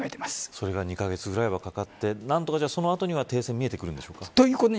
それが２カ月くらいは掛かって何とかその後には停戦が見えてくるんでしょうか。